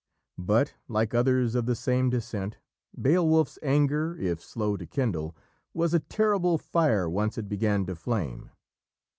But, like others of the same descent, Beowulf's anger, if slow to kindle, was a terrible fire once it began to flame.